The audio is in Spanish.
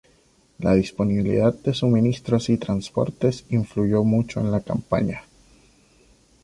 La disponibilidad de suministros y transportes influyó mucho en la campaña.